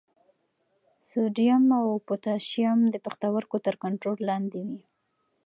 سوډیم او پوټاشیم د پښتورګو تر کنټرول لاندې وي.